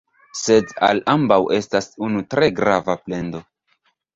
Sed al ambaŭ estas unu tre grava plendo.